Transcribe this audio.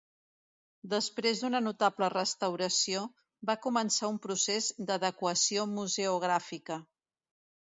Després d'una notable restauració, va començar un procés d'adequació museogràfica.